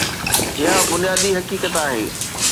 اها بنيادي حقيقت آهي.